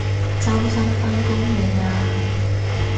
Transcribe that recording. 周生返工未啊？